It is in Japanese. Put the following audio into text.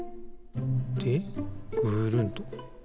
でぐるんと。